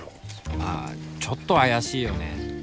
まあちょっと怪しいよね。